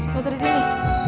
gak usah disini